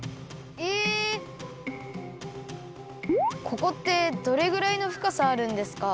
ここってどれぐらいのふかさあるんですか？